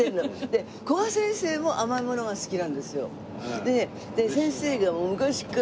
で古賀先生も甘いものが好きなんですよ。